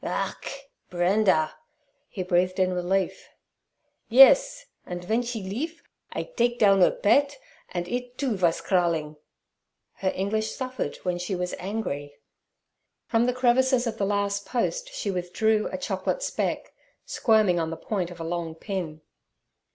'Ach, Brenda!' he breathed in relief. 'Yes, an' ven she leafe I dake down 'er pedt; andt id, too, vass crawlin'.' Her English suffered when she was angry. From the crevices of the last post she withdrew a chocolate speck, squirming on the point of a long pin.